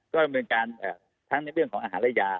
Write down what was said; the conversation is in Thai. ก็ดำเนินการทั้งในเรื่องของอาหารและยา